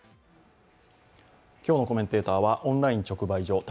今日のコメンテーターはオンライン直売所